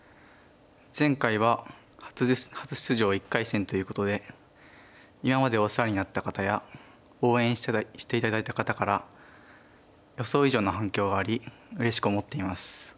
前回は初出場１回戦ということで今までお世話になった方や応援して頂いた方から予想以上の反響がありうれしく思っています。